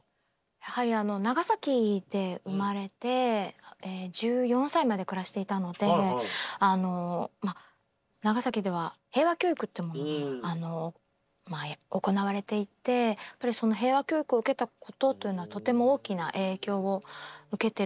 やはり長崎で生まれて１４歳まで暮らしていたので長崎では平和教育というものが行われていて平和教育を受けたことというのはとても大きな影響を受けていると思いますね。